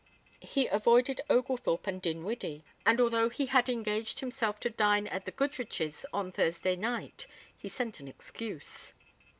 He avoided Oglethorpe and Dinwiddie, and although he had engaged himself to dine at the Goodriches on Thursday night he sent an excuse.